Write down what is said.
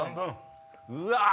うわ！